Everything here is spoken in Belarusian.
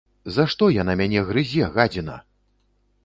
За што яна мяне грызе, гадзіна!